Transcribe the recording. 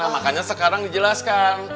makanya sekarang dijelaskan